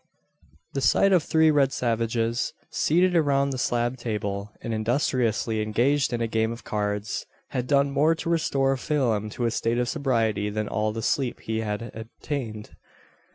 The sight of three red savages, seated around the slab table, and industriously engaged in a game of cards, had done more to restore Phelim to a state of sobriety than all the sleep he had obtained.